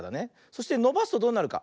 そしてのばすとどうなるか。